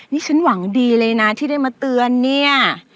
นี่ฉันหวังดีเลยนะที่ได้มาเตือนเนี่ย